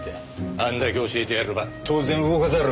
あんだけ教えてやれば当然動かざるをえねえだろ。